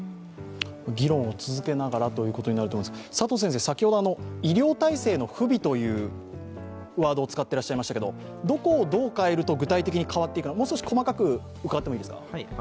議論を続けながらということになると思いますが、佐藤先生、医療体制の不備というワードを使ってらっしゃいましたけどどこをどう変えると具体的に変わっていくのかもう少し細かく伺ってもいいですか？